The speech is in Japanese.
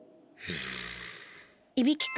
いびきか。